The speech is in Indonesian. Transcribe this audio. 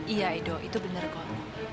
iya edo itu benar kok